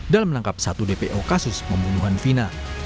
dalam menangkap satu dpo kasus pembunuhan vina